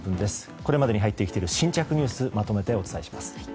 これまでに入ってきている新着ニュースまとめてお伝えします。